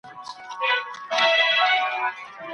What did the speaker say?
ډیپلوماټیک استازي باید د هېواد د ګټو رښتیني سفیران وي.